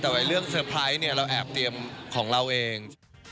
แต่ว่าเรื่องเซอร์ไพรส์เนี่ยเราแอบเตรียมของเราเอง